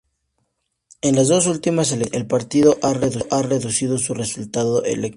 En las dos últimas elecciones, el partido ha reducido su resultado electoral.